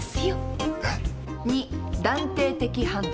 ②断定的判断。